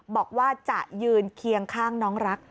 บอกว่าจะยืนเคียงข้างน้องรัก